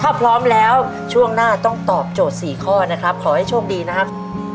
ถ้าพร้อมแล้วช่วงหน้าต้องตอบโจทย์๔ข้อนะครับขอให้โชคดีนะครับ